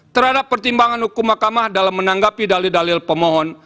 terhadap pertimbangan hukum mahkamah dalam menanggapi dalil dalil pemohon